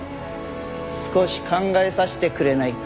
少し考えさせてくれないか？